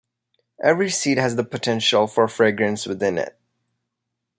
Every seed has the potential for fragrance within it.